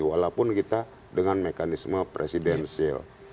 walaupun kita dengan mekanisme presidensil